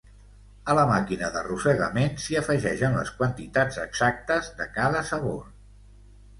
A la màquina d'arrossegament s'hi afegeixen les quantitats exactes de cada sabor.